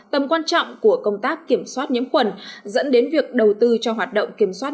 trọng của công tác kiểm soát nhiễm khuẩn dẫn đến việc đầu tư cho hoạt động kiểm soát